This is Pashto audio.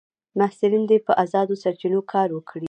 محصلین دي په ازادو سرچینو کار وکړي.